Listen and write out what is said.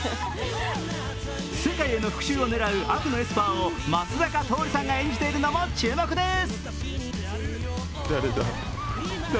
世界への復しゅうを狙う悪のエスパーを松坂桃李さんが演じているのも注目です。